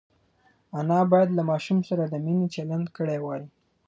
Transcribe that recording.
انا باید له ماشوم سره د مینې چلند کړی وای.